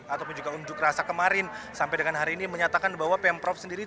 ataupun juga unjuk rasa kemarin sampai dengan hari ini menyatakan bahwa pemprov sendiri